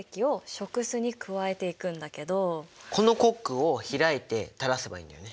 このコックを開いてたらせばいいんだよね。